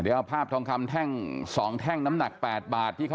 คือทางว้างทองเขาจะรู้อยู่แล้วค่ะ